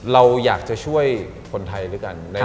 เราอยากจะช่วยคนไทยด้วยกัน